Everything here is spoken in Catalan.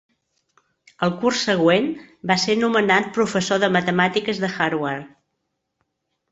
El curs següent va ser nomenat professor de matemàtiques de Harvard.